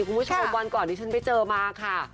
คุณผู้ชมวันก่อนที่ฉันไปเจอมาค่ะ